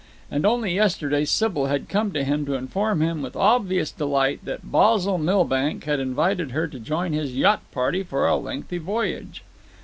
And only yesterday Sybil had come to him to inform him with obvious delight that Basil Milbank had invited her to join his yacht party for a lengthy voyage.